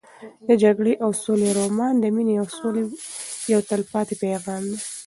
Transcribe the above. د جګړې او سولې رومان د مینې او سولې یو تلپاتې پیغام دی.